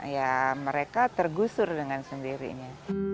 ya mereka tergusur dengan sendirinya